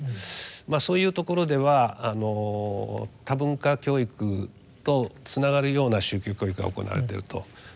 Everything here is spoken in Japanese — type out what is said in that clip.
まあそういうところでは多文化教育とつながるような宗教教育が行われていると。